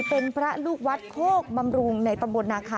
เป็นพระลูกวัดโฆกปราปรุงในตำรวณนะคะ